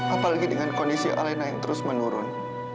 apalagi dengan kondisi alena yang terus menurun